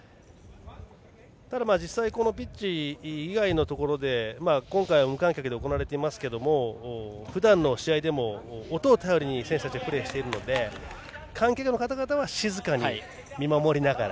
実際、このピッチ以外のところで今回は無観客ですがふだんの試合でも、音を頼りに選手たちがプレーしているので観客の方々は静かに見守りながら。